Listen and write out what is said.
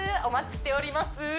お待ちしております